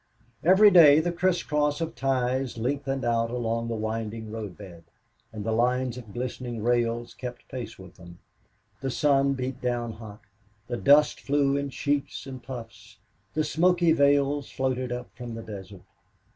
Every day the criss cross of ties lengthened out along the winding road bed, and the lines of glistening rails kept pace with them. The sun beat down hot the dust flew in sheets and puffs the smoky veils floated up from the desert.